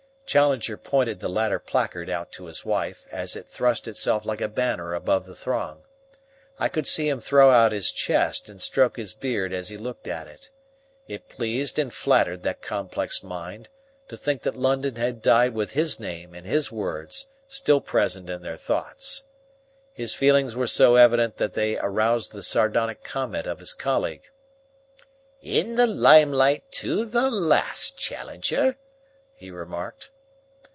Challenger pointed the latter placard out to his wife, as it thrust itself like a banner above the throng. I could see him throw out his chest and stroke his beard as he looked at it. It pleased and flattered that complex mind to think that London had died with his name and his words still present in their thoughts. His feelings were so evident that they aroused the sardonic comment of his colleague. "In the limelight to the last, Challenger," he remarked.